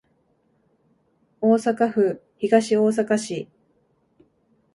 大阪府東大阪市